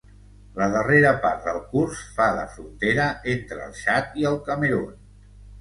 La darrera part del curs fa de frontera entre el Txad i el Camerun.